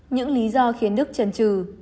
những lý do khiến đức trần trừ